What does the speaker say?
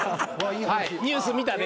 ニュース見たで。